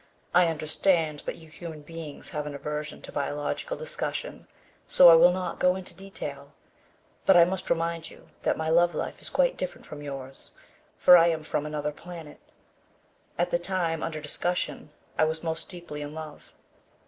I understand that you human beings have an aversion to biological discussion, so I will not go into detail. But I must remind you that my love life is quite different from yours, for I am from another planet. At the time under discussion, I was most deeply in love.